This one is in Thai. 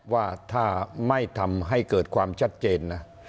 ว่าถ้าไม่ทำให้เกิดความชัดเจนนะ